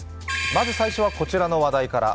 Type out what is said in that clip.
まず最初はこちらの話題から。